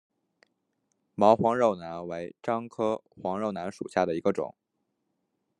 毛黄肉楠为樟科黄肉楠属下的一个种。